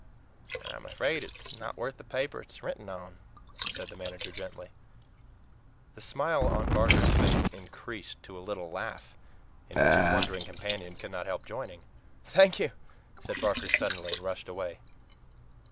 "I am afraid it is not worth the paper it's written on," said the manager gently. The smile on Barker's face increased to a little laugh, in which his wondering companion could not help joining. "Thank you," said Barker suddenly, and rushed away.